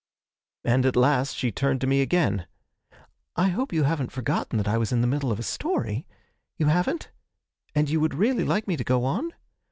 And at last she turned to me again: 'I hope you haven't forgotten that I was in the middle of a story. You haven't? And you would really like me to go on?